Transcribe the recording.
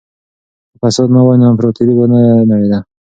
که فساد نه وای نو امپراطورۍ به نه نړېده.